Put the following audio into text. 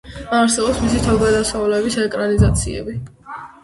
არსებობს მისი თავგადასავლების ეკრანიზაციები.